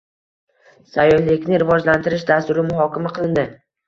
Sayyohlikni rivojlantirish dasturi muhokama qilindi